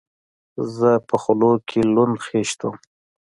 زه په خولو کښې لوند خيشت وم.